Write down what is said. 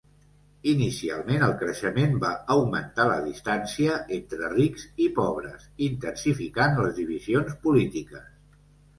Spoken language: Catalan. Inicialment el creixement va augmentar la distància entre rics i pobres, intensificant les divisions polítiques.